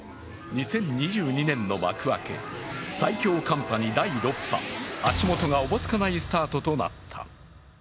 ２０２２年の幕開け、最強寒波に第６波、足元がおぼつかないスタートとなった。